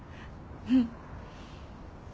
うん。